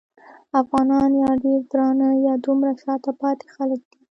افغانان یا ډېر درانه یا دومره شاته پاتې خلک دي.